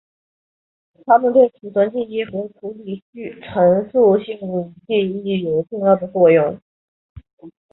它们对储存记忆和处理陈述性记忆有重要的作用。